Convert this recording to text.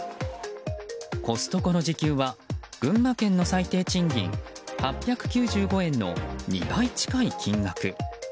コストコの時給は群馬県の最低賃金８９５円の２倍近い金額。